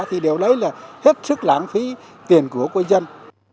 thì điều đấy là hết sức lãng phí tiền của quân dân